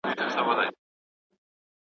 اوس به څوك تسليموي اصفهانونه